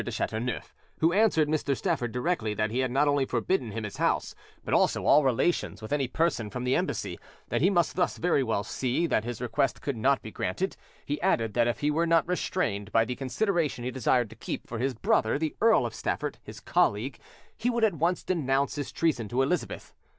de Chateauneuf, who answered Mr. Stafford directly that he had not only forbidden him his house, but also all relations with any person from the Embassy, that he must thus very well see that his request could not be granted; he added that if he were not restrained by the consideration he desired to keep for his brother, the Earl of Stafford, his colleague, he would at once denounce his treason to Elizabeth.